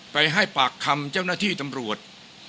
ไปให้ปากคำเจ้าหน้าที่ตำรวจ